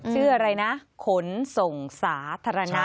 ชื่ออะไรนะขนส่งสาธารณะ